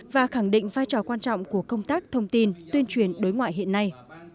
và khẳng định vai trò quan trọng của công tác thông tin tuyên truyền đối ngoại hiện nay